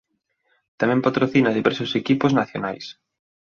Tamén patrocina diversos equipos nacionais.